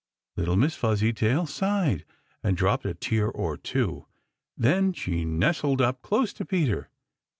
Little Miss Fuzzytail sighed and dropped a tear or two. Then she nestled up close to Peter.